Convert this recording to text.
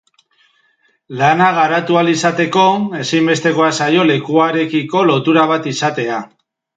Lana garatu ahal izateko, ezinbestekoa zaio lekuarekiko lotura bat izatea.